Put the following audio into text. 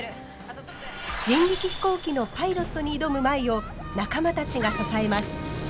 人力飛行機のパイロットに挑む舞を仲間たちが支えます。